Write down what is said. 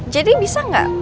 jadi bisa gak